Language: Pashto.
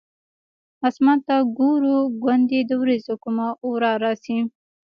اسمان ته ګورو ګوندې د ورېځو کومه ورا راشي.